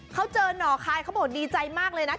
เขาเจอหน่อคายเขาบอกดีใจมากเลยนะ